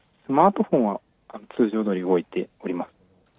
スマートフォンは通常どおり動いております。